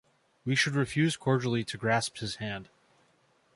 We should refuse cordially to grasp his hand.